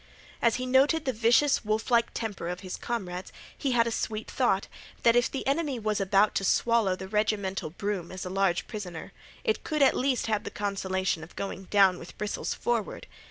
As he noted the vicious, wolflike temper of his comrades he had a sweet thought that if the enemy was about to swallow the regimental broom as a large prisoner, it could at least have the consolation of going down with bristles forward.